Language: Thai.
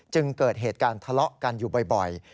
เกิดเหตุการณ์ทะเลาะกันอยู่บ่อย